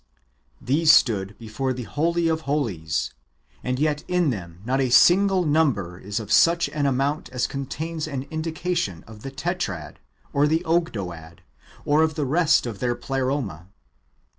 These stood before the holy of holies, and yet in them not a single number is of such an amount as contains an indication of the Tetrad, or the Ogdoad, or of the rest of their Pleroma.